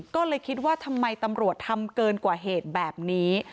ก็เลยคิดว่าทำไมตำรวจทำเกินกว่าเหตุแบบนี้